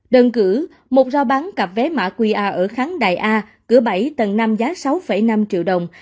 đơn cử một giao bán cặp vé mạ qia ở kháng đài a cửa bảy tầng năm giá sáu năm triệu đồng